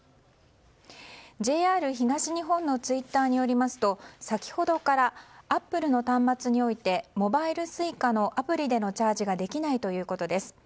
ＪＲ東日本のツイッターによりますと先ほどからアップルの端末においてモバイルＳｕｉｃａのアプリでのチャージができないということです。